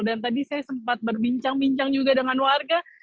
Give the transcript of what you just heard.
dan tadi saya sempat berbincang bincang juga dengan warga